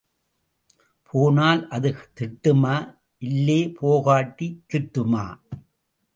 போனால் அது திட்டுமா... இல்லே போகாட்டி திட்டுமா.